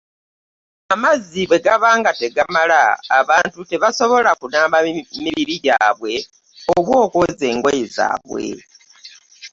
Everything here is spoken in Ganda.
Amazzi bwe gaba nga tegamala abantu tebasobola kunaaba mibiri gyabwe oba okwoza engoye zaabwe.